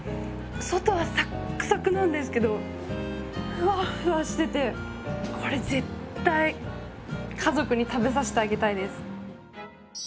外はサックサクなんですけどフワッフワしててこれ絶対家族に食べさせてあげたいです。